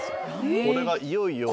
これがいよいよ。